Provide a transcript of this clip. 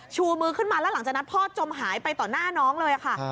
ชูมือขึ้นมาแล้วหลังจากนั้นพ่อจมหายไปต่อหน้าน้องเลยค่ะ